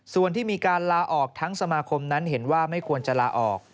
ส่วนที่มีการลาออกทั้งสมาคมนั้นเห็นว่าไม่ควรจะลาออก